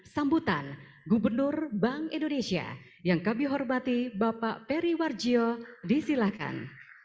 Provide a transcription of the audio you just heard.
sambutan gubernur bank indonesia yang kami hormati bapak peri warjio disilahkan